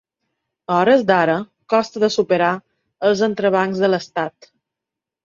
A hores d’ara costa de superar els entrebancs de l’estat.